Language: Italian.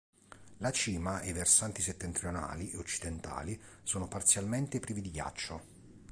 La cima e i versanti settentrionali e occidentali sono parzialmente privi di ghiaccio.